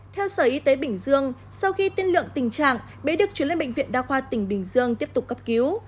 theo sở y tế bình dương sau khi tiên lượng tình trạng bé được chuyển lên bệnh viện đa khoa tỉnh bình dương tiếp tục cấp cứu